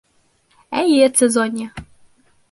Эйе, Цезония.